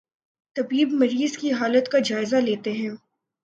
طبیب مریض کی حالت کا جائزہ لیتے ہیں